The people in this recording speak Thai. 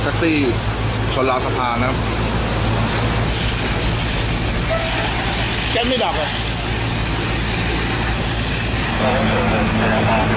ซักซี่ชนราธภาณนะครับ